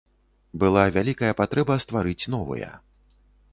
Была вялікая патрэба стварыць новыя.